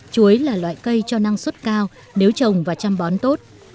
chuối là loại cây cho năng suất cao nếu trồng và chăm bón tốt